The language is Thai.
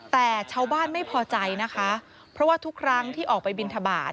แต่ชาวบ้านไม่พอใจนะคะเพราะว่าทุกครั้งที่ออกไปบินทบาท